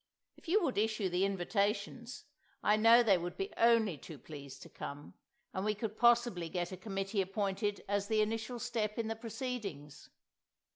If you would issue the invitations, I know they would be only too pleased to come; and we could possibly get a committee appointed as the initial step in the proceedings."